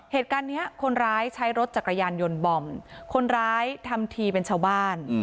เหตุการณ์เนี้ยคนร้ายใช้รถจักรยานยนต์บอมคนร้ายทำทีเป็นชาวบ้าน